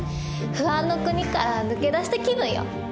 不安の国から抜け出した気分よ。